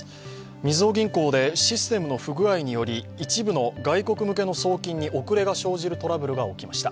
みずほ銀行でシステムの不具合により一部の外国向けの送金に遅れが生じるトラブルが起きました。